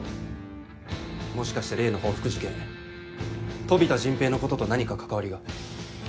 もしかして例の報復事件飛田迅平のことと何か関わりが？